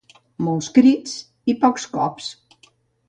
Molts crits i pocs cops.